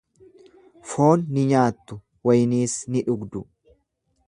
Foon ni nyaattu, wayniis ni dhugdu.